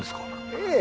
ええ。